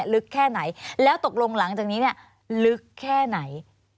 ลึกแค่ไหนแล้วตกลงหลังจากนี้เนี่ยลึกแค่ไหน